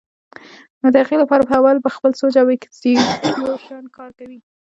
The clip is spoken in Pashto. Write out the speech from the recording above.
نو د هغې له پاره به اول پۀ خپل سوچ او اېکزیکيوشن کار کوي